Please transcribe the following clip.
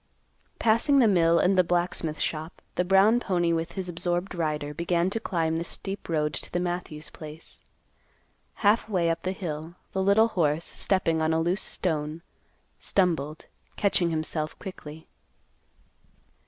Passing the mill and the blacksmith shop, the brown pony with his absorbed rider began to climb the steep road to the Matthews place. Half way up the hill, the little horse, stepping on a loose stone, stumbled, catching himself quickly.